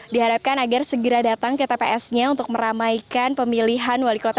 diharapkan agar segera datang ke tps nya untuk meramaikan pemilihan wali kota